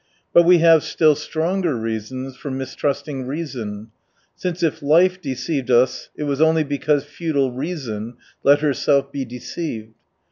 But we have still stronger grounds for mistrusting reason : since if life deceived us, it was only because futile reason let herself be deceived.